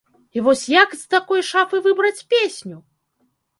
І вось як з такой шафы выбраць песню?